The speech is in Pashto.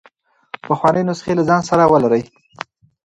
پخوانۍ نسخې له ځان سره ولرئ.